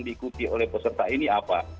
diikuti oleh peserta ini apa